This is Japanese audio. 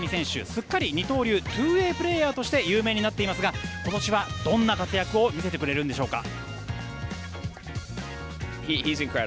すっかり二刀流ツーウェイプレーヤーとして有名になっていますが今年はどんな活躍を見せてくれるのでしょうか。